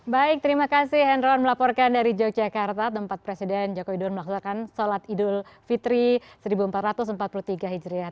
baik terima kasih henron melaporkan dari yogyakarta tempat presiden joko widodo melaksanakan sholat idul fitri seribu empat ratus empat puluh tiga hijriah